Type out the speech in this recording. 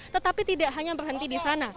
tetapi tidak hanya berhenti di sana